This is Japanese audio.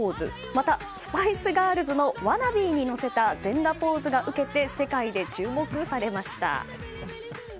また、スパイス・ガールズの「ワナビー」に乗せた全裸ポーズがウケて世界で注目されました。